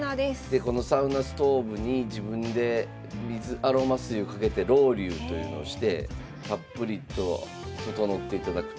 でこのサウナストーブに自分でアロマ水をかけてロウリュというのをしてたっぷりと整っていただくと。